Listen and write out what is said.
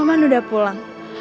roman udah pulang